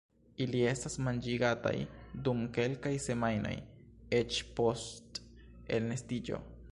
Ili estas manĝigataj dum kelkaj semajnoj eĉ post elnestiĝo.